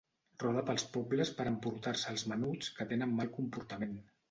Roda pels pobles per a emportar-se als menuts que tenen mal comportament.